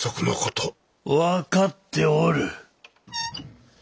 分かっておる。